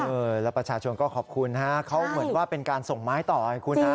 เออแล้วประชาชนก็ขอบคุณฮะเขาเหมือนว่าเป็นการส่งไม้ต่อให้คุณฮะ